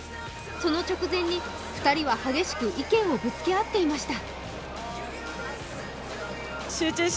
その直前に２人は激しく意見をぶつけ合っていました。